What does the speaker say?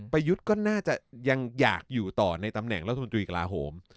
ประยุทธ์ก็น่าจะยังอยากอยู่ต่อในตำแหน่งรัฐมนตรีกระลาโหม